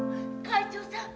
会長さん？